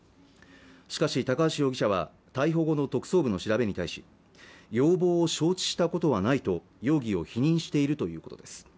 しかし高橋容疑者は逮捕後の特捜部の調べに対し要望を承知したことはないと容疑を否認しているということです